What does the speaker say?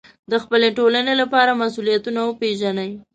د خپلې ټولنې لپاره مسوولیتونه وپېژنئ.